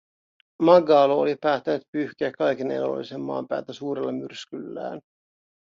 Magalo oli päättänyt pyyhkiä kaiken elollisen maan päältä suurella myrskyllään.